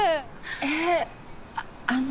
えっあの。